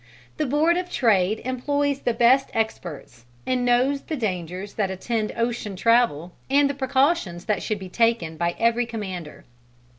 The Board of Trade employs the best experts, and knows the dangers that attend ocean travel and the precautions that should be taken by every commander.